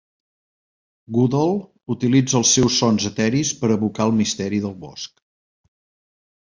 Goodall utilitza els seus sons eteris per evocar el misteri del bosc.